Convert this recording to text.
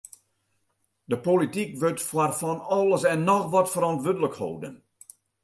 De polityk wurdt foar fan alles en noch wat ferantwurdlik holden.